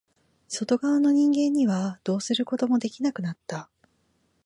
外側の人間にはどうすることもできなくなった。